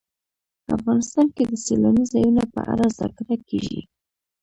افغانستان کې د سیلانی ځایونه په اړه زده کړه کېږي.